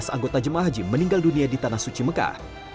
lima belas anggota jemaah haji meninggal dunia di tanah suci mekah